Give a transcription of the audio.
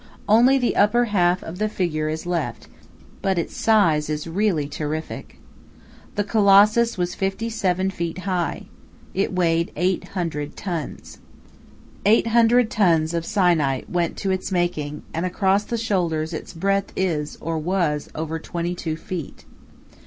Only the upper half of the figure is left, but its size is really terrific. This colossus was fifty seven feet high. It weighed eight hundred tons. Eight hundred tons of syenite went to its making, and across the shoulders its breadth is, or was, over twenty two feet.